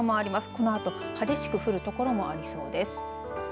このあと激しく降るところもありそうです。